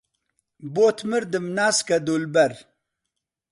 بۆت مردم ناسکە دولبەر